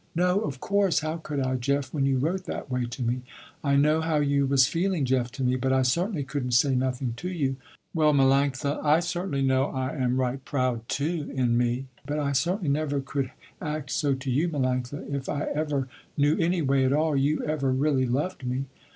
"No of course, how could I Jeff when you wrote that way to me. I know how you was feeling Jeff to me, but I certainly couldn't say nothing to you." "Well Melanctha, I certainly know I am right proud too in me, but I certainly never could act so to you Melanctha, if I ever knew any way at all you ever really loved me.